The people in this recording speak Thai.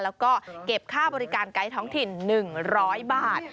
แล้วก็เก็บค่าบริการไกด์ท้องถิ่น๑๐๐บาท